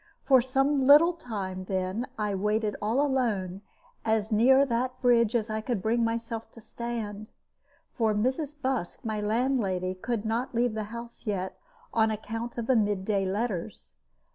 For some little time, then, I waited all alone, as near that bridge as I could bring myself to stand, for Mrs. Busk, my landlady, could not leave the house yet, on account of the mid day letters.